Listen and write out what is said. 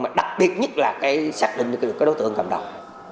mà đặc biệt nhất là cái xác định được cái đối tượng cầm đọc